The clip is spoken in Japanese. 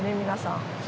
皆さん。